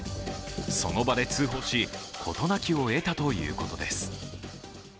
その場で通報し、事なきを得たということです。